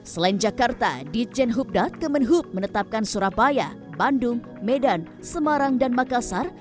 selain jakarta di jen hubdat gemen hub menetapkan surabaya bandung medan semarang dan makassar